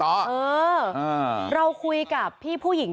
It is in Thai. เออเราคุยกับพี่ผู้หญิง